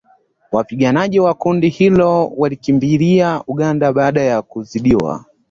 Wapiganaji wa kundi hilo walikimbilia Uganda baada ya kuzidiwa